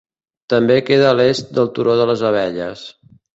També queda a l'est del Turó de les Abelles.